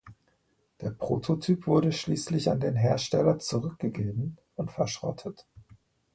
Der Prototyp wurde schließlich an den Hersteller zurückgegeben und verschrottet.